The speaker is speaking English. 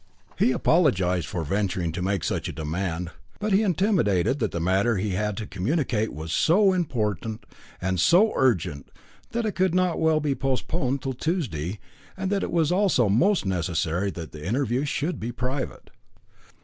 He apologised for venturing to make such a demand, but he intimated that the matter he had to communicate was so important and so urgent, that it could not well be postponed till Tuesday, and that it was also most necessary that the interview should be private.